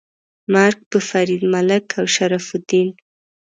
مرګ په فرید ملک او شرف الدین. 🤨